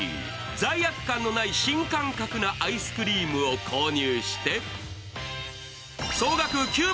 罪悪感のない新感覚のアイスクリームを購入。